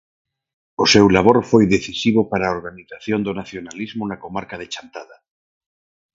O seu labor foi decisivo para a organización do nacionalismo na comarca de Chantada.